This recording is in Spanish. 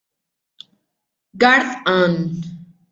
Gard., Ann.